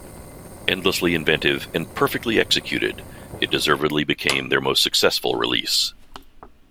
Endlessly inventive and perfectly executed, it deservedly became their most successful release.